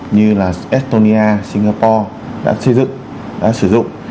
như là estonia singapore đã xây dựng đã sử dụng